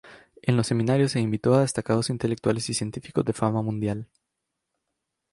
En los seminarios se invitó a destacados intelectuales y científicos de fama mundial.